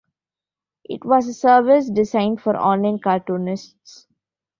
It was a service designed for online cartoonists.